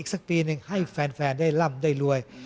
สักปีหนึ่งให้แฟนได้ร่ำได้รวย